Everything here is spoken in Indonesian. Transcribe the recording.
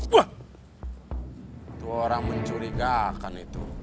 wah itu orang mencurigakan itu